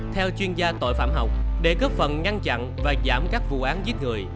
theo chuyên gia tội phạm học để cấp phận ngăn chặn và giảm các vụ án giết người